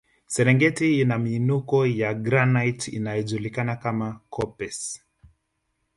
Serengeti ina miinuko ya granite inayojulikana kama koppes